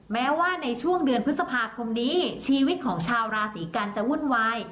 แม้ว่าในช่วงเดือนพฤษภาคมนี้ชีวิตของชาวราศีกันจะวุ่นวาย